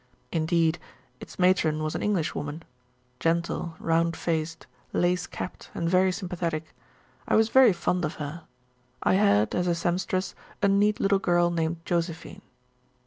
Indeed its matron was an Englishwoman gentle, round faced, lace capped, and very sympathetic. I was very fond of her. I had, as a seamstress, a neat little girl named Josephine.